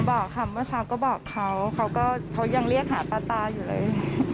บอกค่ะเมื่อเช้าก็บอกเขาเขาก็ยังเรียกหาตาอยู่เลย